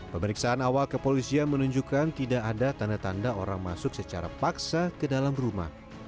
pemeriksaan awal kepolisian menunjukkan tidak ada tanda tanda orang masuk secara paksa ke dalam rumah